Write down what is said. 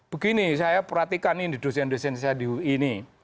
begini saya perhatikan ini dosen dosen saya di ui ini